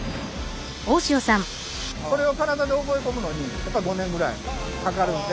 これを体で覚え込むのにやっぱり５年ぐらいかかるんで。